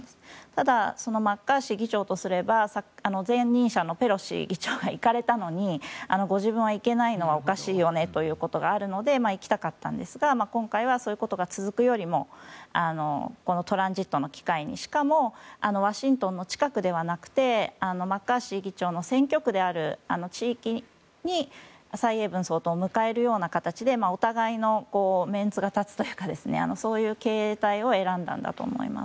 ただ、マッカーシー議長とすれば前任者のペロシ議長が行かれたのにご自分は行けないのはおかしいよねということがあるので行きたかったんですが今回はそういうことが続くよりもこのトランジットの機会にしかもワシントンの近くではなくてマッカーシー議長の選挙区である地域に蔡英文総統を迎えるような形でお互いのメンツが立つというかそういう形態を選んだんだと思います。